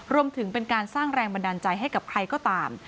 รวมถึงเป็นการสร้างแรงบันดาลใจให้กับใครก็ตาม